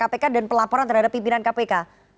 ada apa apa penampilan dan pelaporan terhadap pimpinan kpk